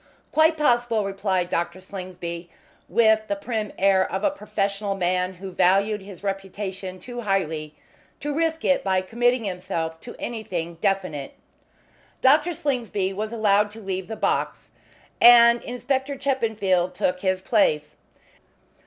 "Quite possible," replied Dr. Slingsby, with the prim air of a professional man who valued his reputation too highly to risk it by committing himself to anything definite. Dr. Slingsby was allowed to leave the box, and Inspector Chippenfield took his place.